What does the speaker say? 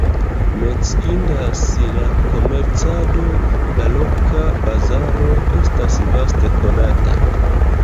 Menciindas la komercado, la loka bazaro estas vaste konata.